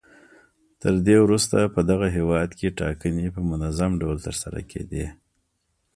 تر دې وروسته په دغه هېواد کې ټاکنې په منظم ډول ترسره کېدې.